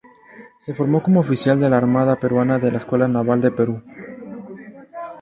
Se formó como oficial de la Armada peruana en la Escuela Naval del Perú.